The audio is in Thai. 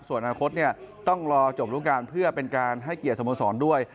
ส่วนอันคดต้องรอจบรุกการเพื่อเป็นการให้เกียร์สมศรด้วย